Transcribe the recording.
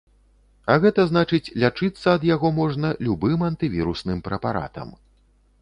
А гэта значыць, лячыцца ад яго можна любым антывірусным прэпаратам.